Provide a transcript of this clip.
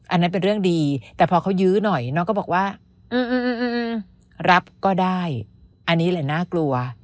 อันนั้นเป็นเรื่องดีแต่พอเขายื้อหน่อยน้องก็บอกว่ารับก็ได้อันนี้แหละน่ากลัว